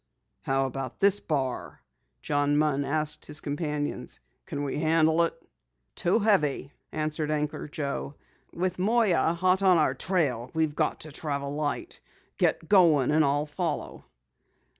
"How about this bar?" John Munn asked his companions. "Can we handle it?" "Too heavy," answered Anchor Joe. "With Moyer hot on our trail, we've got to travel light. Get going and I'll follow."